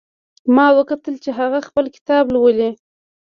ما وکتل چې هغه خپل کتاب لولي